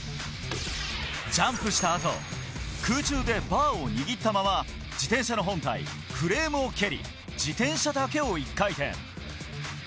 ジャンプした後、空中でバーを握ったまま、自転車の本体、フレームを蹴り、自転車だけを１回転。